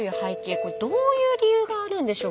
これどういう理由があるんでしょうか？